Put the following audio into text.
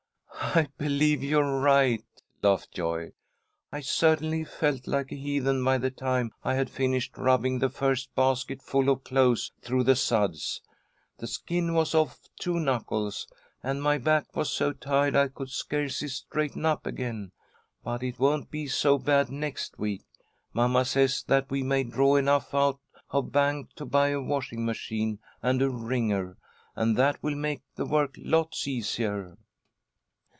"I believe you're right," laughed Joyce. "I certainly felt like a heathen by the time I had finished rubbing the first basket full of clothes through the suds. The skin was off two knuckles, and my back was so tired I could scarcely straighten up again. But it won't be so bad next week. Mamma says that we may draw enough out of bank to buy a washing machine and a wringer, and that will make the work lots easier."